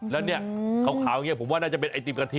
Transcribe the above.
แล้วเนี่ยขาวอย่างนี้ผมว่าน่าจะเป็นไอติมกะทิ